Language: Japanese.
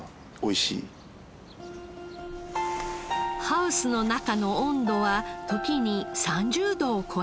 ハウスの中の温度は時に３０度を超えます。